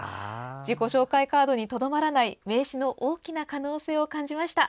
自己紹介カードにとどまらない名刺の大きな可能性を感じました。